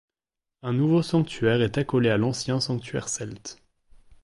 Un nouveau sanctuaire est accolé à l'ancien sanctuaire celte.